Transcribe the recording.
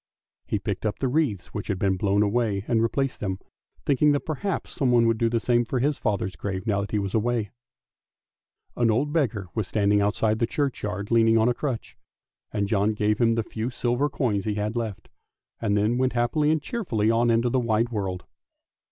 He picked up the wreaths which had been blown away and 368 ANDERSEN'S FAIRY TALES replaced them, thinking that perhaps someone would do the same for his father's grave now he was away. An old beggar was standing outside the churchyard leaning on a crutch, and John gave him the few silver coins he had left, and then went happily and cheerfully on into the wide world.